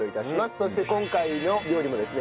そして今回の料理もですね